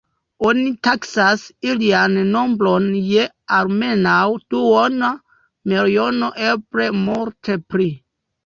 Oni taksas ilian nombron je almenaŭ duona miliono, eble multe pli.